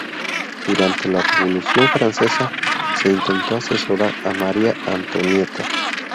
Durante la Revolución Francesa, se intentó asesorar a María Antonieta.